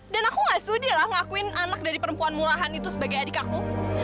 dan aku ga sudi lah ngakuin anak dari perempuan murahan itu sebagai adik aku